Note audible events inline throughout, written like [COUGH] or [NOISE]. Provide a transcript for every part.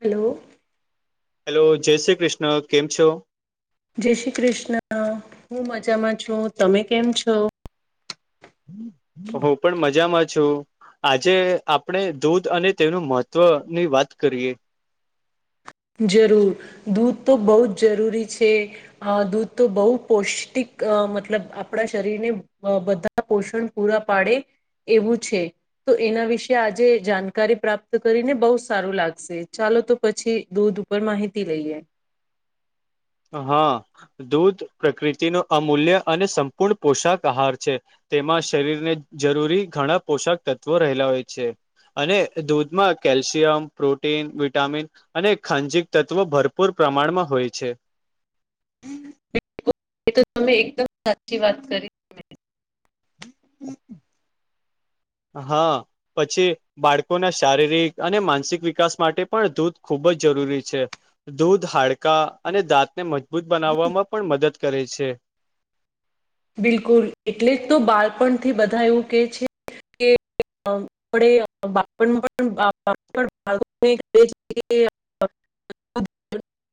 Hello hello જય શ્રી કૃષ્ણ કેમ છો? જય શ્રી કૃષ્ણ હું મજામાં છું,? તમે કેમ છો હું પણ મજામાં છું, આજે આપણે દૂધ અને તેનું મહત્ત્વ ની વાત કરીએ, જરૂર દૂધ તો બહ જ જરૂરી છે, દૂધ તો બહ પૌષ્ટિક અ મતલબ આપણા શરીર ને બધા પોષણ પૂરા પાડે, એવું છે, તો એના વિશે આજે જાણકારી પ્રાપ્ત કરીને બહુ સારું લાગશે, ચાલો તો પછી દૂધ ઉપર માહિતી લઈએ, હા, દૂધ પ્રકૃતિ ન અમૂલ્ય અને સંપૂર્ણ પોશાક આહાર છે. તેમાં શરીરને જરૂરી ઘણા પોષક તત્વો રહેલા હોય છે, અને દૂધમાં કેલ્શિયમ પ્રોટીન વિટામિન અને ખાંજક તત્વો ભરપૂર પ્રમાણમાં હોય છે. બિલકુલ એ તો તમે એકદમ સાચી વાત કરી. હમ. હા પછી બાળકોના શારીરિક અને માનસિક વિકાસ માટે પણ દૂધ ખૂબ જરૂરી છે દૂધ હાડ કા અને દાંતને મજબૂત બનાવવામાં પણ મદદ કરે છે. બિલકુલ એટલે જ તો બાળપણથી બધા એવું કે છે. [UNINTELLIGIBLE] [INAUDIBLE] [INAUDIBLE]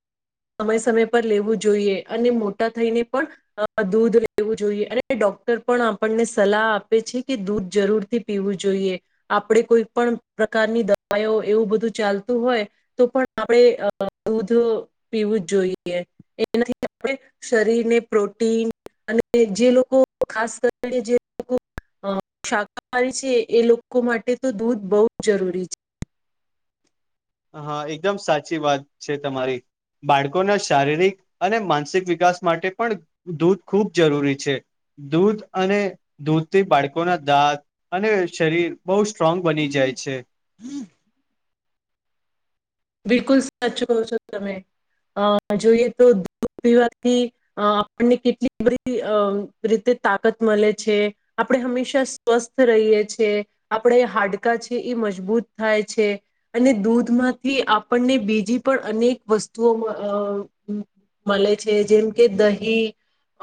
સમય સમય પર લેવું જોઈએ અને મોટા થઈને પણ દુધ. પીવું જોઈએ અને ડોક્ટર પણ આપણને સલાહ આપે છે કે દૂધ જરૂરથી પીવું જોઈએ. આપણે કોઈ પણ પ્રકારની દવાઓ એવું બધું ચાલતું હોય તો પણ આપણે અ. દૂધ પીવું જ જોઈએ એનાથી આપણે શરીરને પ્રોટીન અને જે લોકો ખાસ કરીને જે લોકો અ શાકાહારી છે એ લોકો માટે તો દૂધ બહુ જ જરૂરી છે. હા એકદમ સાચી વાત છે તમારી. બાળકોના શારીરિક અને માનસિક વિકાસ માટે પણ દૂધ ખૂબ જરૂરી છે. દૂધ અને દૂધથી બાળકોના દાંત અને શરીર બહુ સ્ટ્રોંગ બની જાય છે. બિલકુલ સાચો કો છો તમે અ જોઈએ તો દુધ પીવાથી આપણને કેટલી બધી અ રીતે તાકાત મળે છે આપણે હંમેશા સ્વસ્થ રહીએ છીએ આપણે હાડકા છે એ મજબૂત થાય છે. અને દૂધમાંથી આપણને બીજી પણ અનેક વસ્તુઓ અ મલે છે જેમ કે દહીં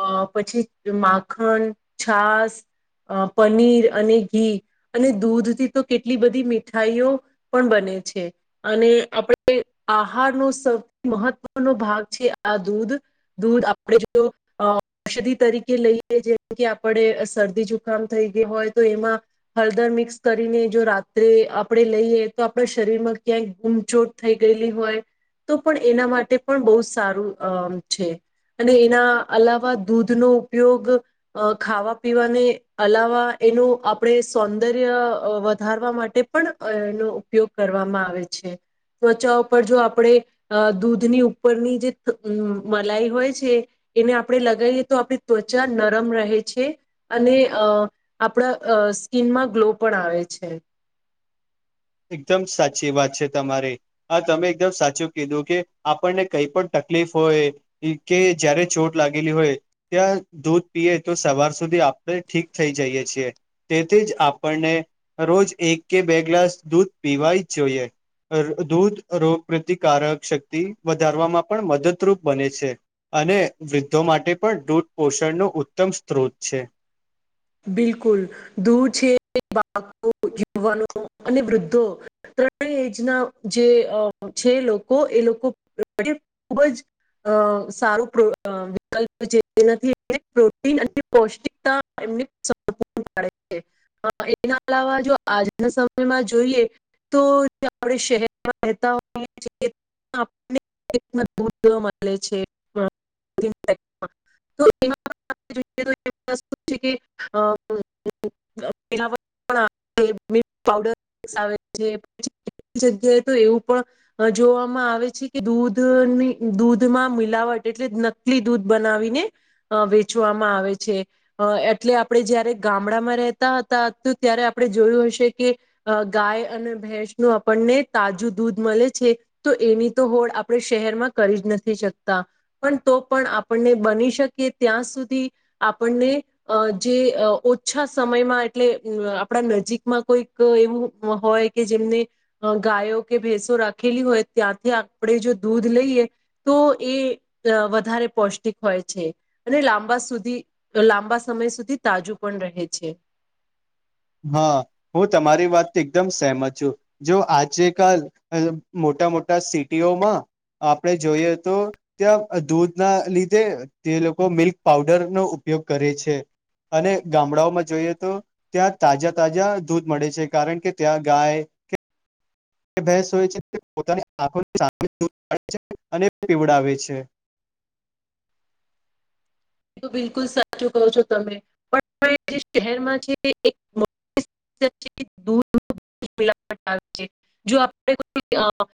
અ પછી માખણ છાસ. અ પનીર અને ઘી અને દૂધથી તો કેટલી બધી મીઠાઈઓ પણ બને. બને છે. અને આપણે આહાર નો સૌથી મહત્વનો ભાગ છે આ દૂધ દૂધ આપણે જો ઔષધિ તરીકે લઈએ જેમ કે આપણે શરદી જુખામ થઈ ગય હોય. તો એમાં હળદર મિક્સ કરીને જો રાત્રે આપણે લઈએ તો આપણા શરીરમાં ક્યાંક ગૂમચોટ થઈ ગયેલી હોય તો પણ એના માટે પણ બહુ સારું અ છે. અને એના અલાવા દૂધનો‌ ઉપયોગ ખાવા પીવાને અલાવા એનું આપણે સૌંદર્ય વધારવા માટે પણ એનો ઉપયોગ કરવામાં આવે આવે છે. ત્વચા ઉપર જો આપણેે અ દૂધની ઉપરની જે મલાઈ હોય છે. એને આપણે લગાવી એ તો આપણી ત્વચા નરમ રહે છે, અને અ આપણા અ સ્કીિનમાં ગ્લો પણ આવે છે. [INAUDIBLE] એકદમ સાચી વાત છે તમારે આ તમે એકદમ સાચું કીધું કે આપણને કઈ પણ ત તકલીફ હોય કે જયારે ચોટ લાગેલી હોય ત્યાં દૂધ પીએ તો સવાર સુધી. આપણે ઠીક થઈ જઈએ છીએ તેથી જ આપણને રોજ એક કે બે ગ્લાસ દૂધ પીવા જ જોઈએ. અ દૂધ રોગ પ્રતિકારક શક્તિ વધારવામાં પણ મદદરૂપ બને છે. અને વૃદ્ધો માટે પણ દૂધ પોષણનો ઉત્તમ સ્ત્રોત છે. બિલકુલ દૂઘ છે બાળકો યુવાનો અને વૃદ્ધો ત્રણેય એજ ના જે છે લોકો એ લોકો એ ખૂબ જ અ સારું વિકલ્પ છે એનાથી પ્રોટીન અને પૌષ્ટિકતા. એમની [UNINTELLIGIBLE] છે. હ એના અલાવા જો આજના સમયમાં જોઈએ તો આપણે શહેરમાં. [INAUDIBLE] મળે છે. [UNINTELLIGIBLE] કે અ. પ પણ આવે મિલ્ક પાવડર. જગ્યાએ તો એવું પણ જોવામાં આવે છે કે દૂધ. ની દૂધમાં મિલાવટ એટલે નકલી દૂધ બનાવીને અ વેચવામાં આવે છે. અ એટલે આપણે જયારે ગામડામાં રહેતા હતા ત્યારે આપણે જોયું હશે કે ગાય. અને ભેંસ નુ આપણને તાજું દૂધ મળે છે તો એની તો હોડ આપણે શહેરમાં કરી. નથી શકતા પણ તો પણ આપણને બની શકે ત્યાં સુધી આપણને. અ જે ઓછા સમયમાં એટલે અ આપણા નજીકમાં કોઈક એવું. હોય કે જેમને ગાયો કે ભેસો રાખેલી હોય ત્યાંથી આપણે જો દૂધ લઈએ. તો એ અ વધારે પૌષ્ટિક હોય છે અને લાંબા સુધી લાંબા. સમય સુધી તાજું પણ રહે છે. હા હું તમારી વાતથી એકદમ સહેમત છું જો આજે કાલ અહ મો ટા મોટા સિટીઓમાં. આપણે જોઈએ તો ત્યાં દૂધ ના લીધે તે લોકો મિલ્ક પાઉડરનો ઉપ પયોગ કરે છે અને ગામડાઓમાં જોઈએ તો. ત્યાં તાજા તાજા દૂધ મળે છે કારણ કે ત્યાં ગાય કે. ભેસ હોય છે પોતાની આખોની સામે છે અને પીવડાવે છે. [INAUDIBLE] એ તો બિલકુલ સાચું કહો છો તમે પણ શહેરમાં છે એક. [UNINTELLIGIBLE] દૂધ [UNINTELLIGIBLE] જો આપ.